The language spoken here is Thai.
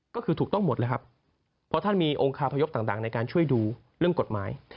ก็คือถูกต้องหมดแล้วครับเพราะท่านมีองคาพยพต่างในการช่วยดูเรื่องกฎหมาย